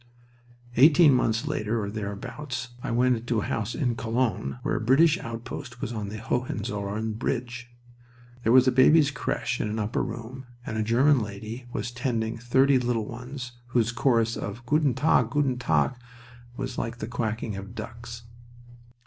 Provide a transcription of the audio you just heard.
Eighteen months later, or thereabouts, I went into a house in Cologne, where a British outpost was on the Hohenzollern bridge. There was a babies' creche in an upper room, and a German lady was tending thirty little ones whose chorus of "Guten Tag! Guten Tag!" was like the quacking of ducks.